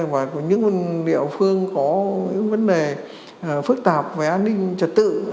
và những địa phương có những vấn đề phức tạp về an ninh trật tự